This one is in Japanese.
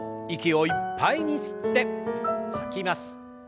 息をいっぱいに吸って吐きます。